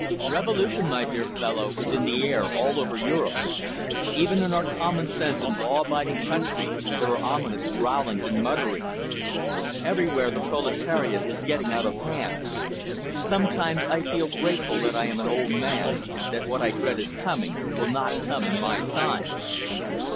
"Revolution, my dear fellow, is in the air all over Europe. Even in our commonsense and law abiding country, there are ominous growlings and mutterings. Everywhere, the proletariat is getting out of hand. Sometimes I feel grateful that I am an old man, that what I dread is coming will not come in my time."